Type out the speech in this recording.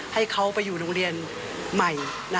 ให้เขาไปอยู่โรงเรียนใหม่